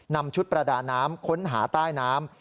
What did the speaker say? นำชุดประดาน้ำค้นหาใต้น้ำ